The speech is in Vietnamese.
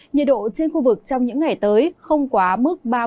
nhiệt độ trên khu vực trong những ngày tới không quá mức